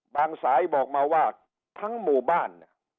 บางสายบอกมาว่าทั้งหมู่บ้าน